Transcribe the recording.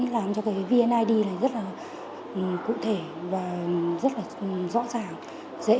để làm cho cái vned này rất là cụ thể và rất là rõ ràng dễ